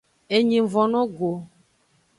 Enyi ng von no go.